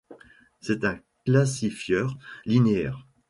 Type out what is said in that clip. C'est un classifieur linéaire.